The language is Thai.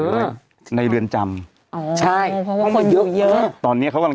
เลยในเรือนจำอ๋อใช่เพราะว่าคนเยอะเยอะตอนเนี้ยเขากำลัง